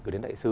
gửi đến đại sứ